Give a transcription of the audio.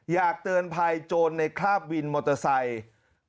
อยากเตือนภัยโจรในคราบวินมอเตอร์ไซค์